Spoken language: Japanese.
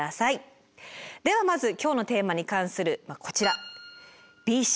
ではまず今日のテーマに関するこちら。